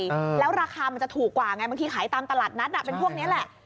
แล้วราคามันจะถูกกว่าไงบางทีขายตามตลาดนัดอ่ะเป็นพวกนี้แหละ